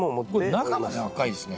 これ中まで赤いですね。